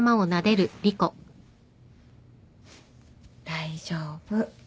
大丈夫。